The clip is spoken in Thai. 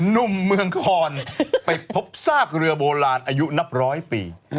หนุ่มเมืองคอนไปพบซากเรือโบราณอายุนับร้อยปี